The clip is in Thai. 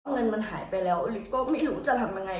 เงินมันหายไปแล้วลึกก็ไม่รู้จะทำยังไง